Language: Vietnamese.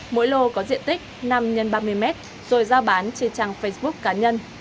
mỗi lô có diện tích năm x ba mươi mét rồi giao bán trên trang facebook cá nhân